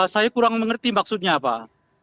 saya kurang mengerti maksudnya pak